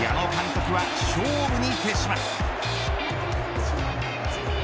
矢野監督は勝負に徹します。